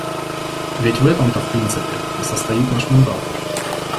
Ведь в этом-то в принципе и состоит наш мандат.